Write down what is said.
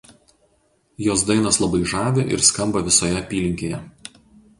Jos dainos labai žavi ir skamba visoje apylinkėje.